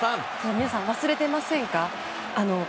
皆さん、忘れてませんか？